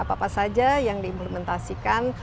apa saja yang diimplementasikan